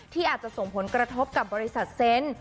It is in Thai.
ที่อาจจะส่งผลกระทบกับบริษัทเซนต์